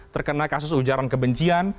terkena kasus ujaran kebencian